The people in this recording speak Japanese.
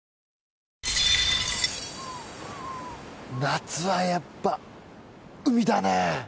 夏はやっぱ海だね